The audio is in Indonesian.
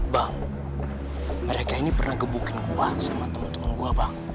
bang mereka ini pernah gebukin gue sama temen temen gue bang